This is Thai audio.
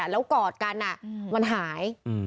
แล้วกอดกันมันหาย